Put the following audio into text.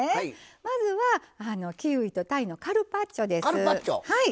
まずはキウイとたいのカルパッチョです。